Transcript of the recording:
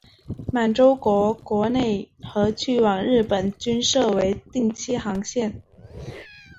满洲国国内和去往日本均设为定期航线。